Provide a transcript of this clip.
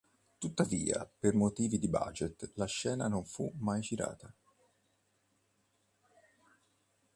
Tuttavia per motivi di budget la scena non fu mai girata.